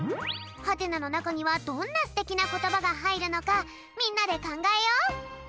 「？」のなかにはどんなすてきなことばがはいるのかみんなでかんがえよう！